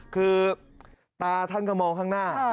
คือตาท่านก็มองข้างหน้า